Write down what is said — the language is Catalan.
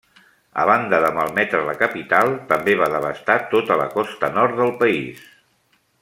A banda de malmetre la capital, també va devastar tota la costa nord del país.